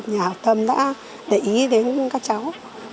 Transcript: nhà học tâm đã để ý đến các cháu